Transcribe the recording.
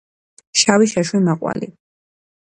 შავი შაშვი მაყვალი